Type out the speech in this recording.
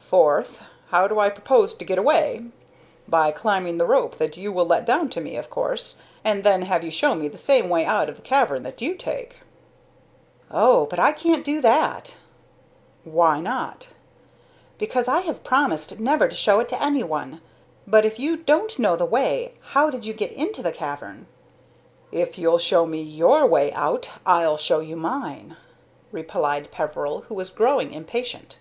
Fourth how do I propose to get away? By climbing the rope that you will let down to me, of course, and then have you show me the same way out of the cavern that you take." [Illustration: AT SEEING PEVERIL, THE MEN UTTERED A CRY OF TERROR] "Oh, but I can't do that!" "Why not?" "Because I have promised never to show it to any one. But, if you don't know the way, how did you get into the cavern?" "If you'll show me your way out, I'll show you mine," replied Peveril, who was growing impatient.